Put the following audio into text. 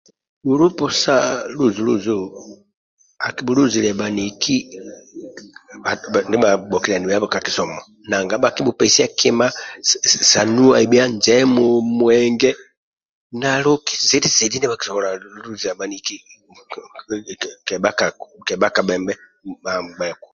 Gulupu sa luzuluzu akibhuluzilia bhaniki ndia agbbokiliani yabho ka kisomo nanga bhakibhupesia kima manuwai tabhi njemu mwenge na loki zidhi zidhi ndia akisobola luza bhaniki kebha kabhembe bhamgbeku